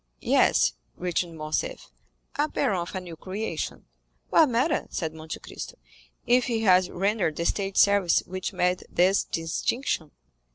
"Yes," returned Morcerf, "a baron of a new creation." "What matter," said Monte Cristo "if he has rendered the State services which merit this distinction?"